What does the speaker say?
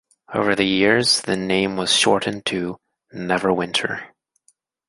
Over the years the name was shortened to "Neverwinter".